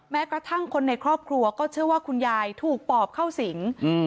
แม้กระทั่งคนในครอบครัวก็เชื่อว่าคุณยายถูกปอบเข้าสิง